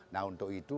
nah untuk itu